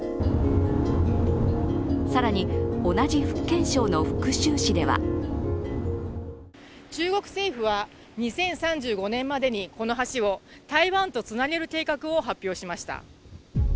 更に同じ福建省の福州市では中国政府は２０３５年までにこの橋を台湾とつなげる計画を発表しました。